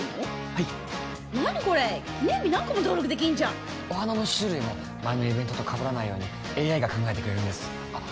はい何これ記念日何個も登録できんじゃんお花の種類も前のイベントとかぶらないようにＡＩが考えてくれるんですあっ